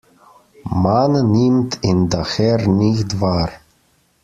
Man nimmt ihn daher nicht wahr.